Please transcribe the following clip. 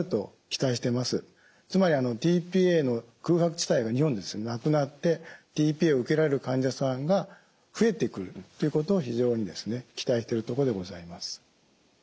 つまりｔ−ＰＡの空白地帯が日本でなくなってｔ−ＰＡを受けられる患者さんが増えてくるということを非常に期待してるとこでございます。